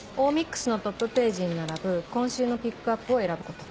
Ｍｉｘのトップページに並ぶ今週のピックアップを選ぶこと。